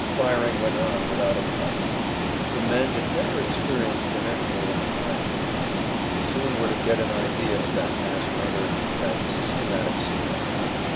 Firing went on without a pause. The men had never experienced an interval in the firing. We soon were to get an idea of that mass murder, that systematic slaughter.